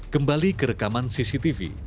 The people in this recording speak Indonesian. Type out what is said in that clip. kembali ke rekaman cctv